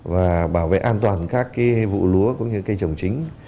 và bảo vệ an toàn các vụ lúa cây trồng chính